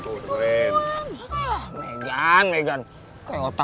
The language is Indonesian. gue udah dengerin kalau gurunya lagi ngajar